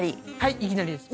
いきなりです。